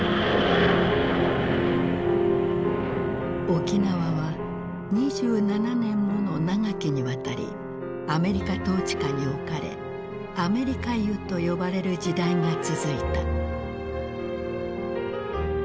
沖縄は２７年もの長きにわたりアメリカ統治下に置かれ「アメリカ世」と呼ばれる時代が続いた。